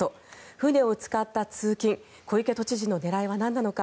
船を使った通勤小池都知事の狙いはなんなのか。